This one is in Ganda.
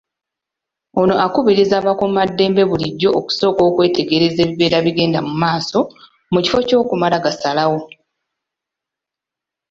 Ono akubirizza abakuumaddembe bulijjo okusooka okwetegereza ebibeera bigenda mu maaso mu kifo ky'okumala gasalawo.